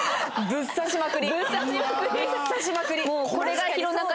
ブッ刺しまくり。